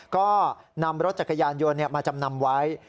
ก็นำรถจักรยานยนต์มาจำนำไว้